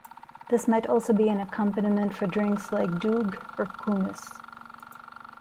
This might also be an accompaniment for drinks like Doogh or Kumis.